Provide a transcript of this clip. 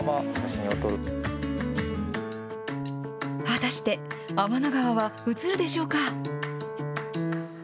果たして天の川は写るでしょうか。